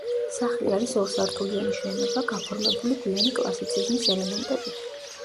სახლი არის ორსართულიანი შენობა, გაფორმებული გვიანი კლასიციზმის ელემენტებით.